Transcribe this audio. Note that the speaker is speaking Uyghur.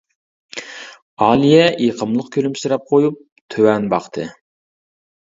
ئالىيە يېقىملىق كۈلۈمسىرەپ قويۇپ تۆۋەن باقتى.